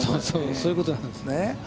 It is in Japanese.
そういうことなんです。